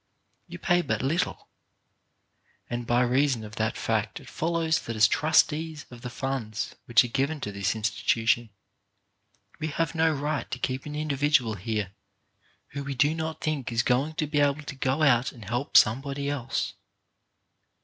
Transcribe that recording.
You pay but little; and by reason of that fact it fol lows that as trustees of the funds which are given to this institution, we have no right to keep an individual here who we do not think is going to be able to go out and help somebody else.